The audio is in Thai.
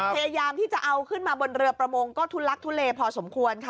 พยายามที่จะเอาขึ้นมาบนเรือประมงก็ทุลักทุเลพอสมควรค่ะ